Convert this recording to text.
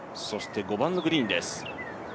そして５番のグリーンです